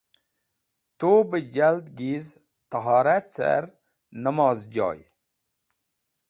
Tu be dẽ wakht giz, tahora car, namoz joy.